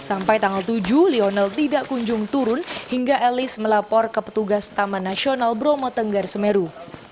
sampai tanggal tujuh lionel tidak kunjung turun hingga elis melapor ke petugas taman nasional bromo tenggar semeru